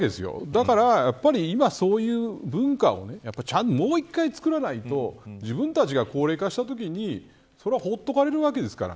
だから、やっぱり今そういう文化をもう一度つくらないと自分たちが高齢化したときに放っておかれるわけです。